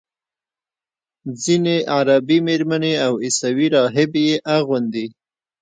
ځینې عربي میرمنې او عیسوي راهبې یې اغوندي.